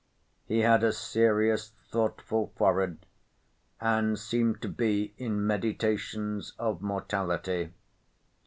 He had a serious thoughtful forehead, and seemed to be in meditations of mortality.